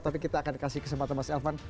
tapi kita akan kasih kesempatan mas elvan